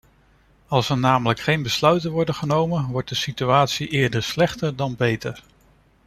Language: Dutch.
Als er namelijk geen besluiten worden genomen, wordt de situatie eerder slechter dan beter.